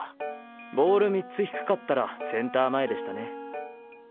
ボール３つ低かったらセンター前でしたね。